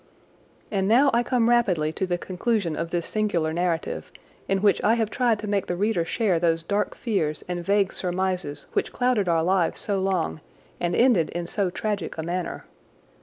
And now I come rapidly to the conclusion of this singular narrative, in which I have tried to make the reader share those dark fears and vague surmises which clouded our lives so long and ended in so tragic a manner.